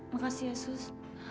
makasih ya sus